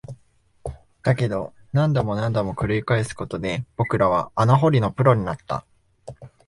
だけど、何度も何度も繰り返すことで、僕らは穴掘りのプロになった